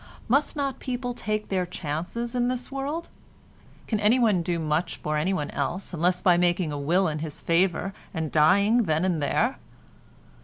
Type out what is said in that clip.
Must not people take their chances in this world? Can anyone do much for anyone else unless by making a will in his favour and dying then and there?